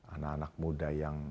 anak anak muda yang